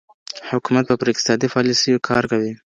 حکومت به پر اقتصادي پالیسیو کار کوي.